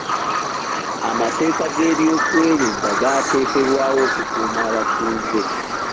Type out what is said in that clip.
Amateeka g'ebyokwerinda gaateekebwawo okukuuma abatuuze.